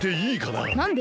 なんで？